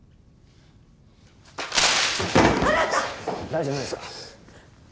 大丈夫ですか？